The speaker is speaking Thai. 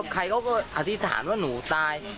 ใครเขาก็อธิษฐานว่าหนูตาย